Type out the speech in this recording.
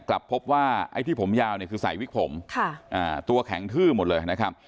กลับพบว่าไอ้ที่ผมยาวเนี่ยคือใส่วิกผมตัวแข็งทื้อหมดเลยนะครับ